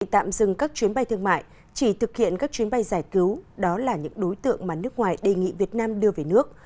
tạm dừng các chuyến bay thương mại chỉ thực hiện các chuyến bay giải cứu đó là những đối tượng mà nước ngoài đề nghị việt nam đưa về nước